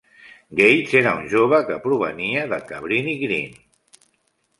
Gates era un jove que provenia de Cabrini-Green.